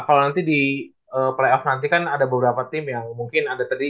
kalau nanti di playoff nanti kan ada beberapa tim yang mungkin ada tadi